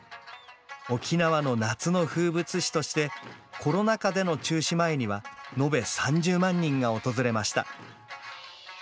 沖縄の夏の風物詩としてコロナ禍での中止前には延べ３０万人が訪れました。